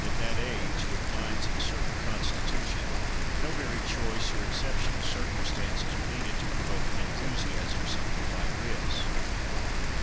At that age, with minds of a certain constitution, no very choice or exceptional circumstances are needed to provoke an enthusiasm something like this.